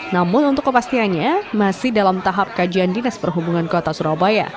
namun untuk kepastiannya masih dalam tahap kajian dinas perhubungan kota surabaya